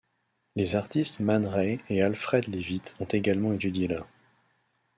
Les artistes Man Ray et Alfred Levitt ont également étudié là.